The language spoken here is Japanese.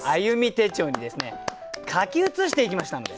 手帳にですね書き写していきましたので。